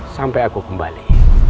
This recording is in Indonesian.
sampai aku kembali